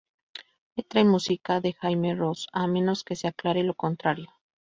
Letra y música de Jaime Roos, a menos que se aclare lo contrario.